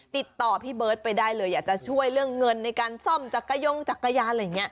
ติดต่อพี่เบิร์ตไปได้เลยอยากจะช่วยเรื่องเงินในการซ่อมจักรยงจักรยานอะไรอย่างนี้